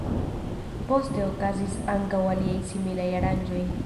Poste okazis ankaŭ aliaj similaj aranĝoj.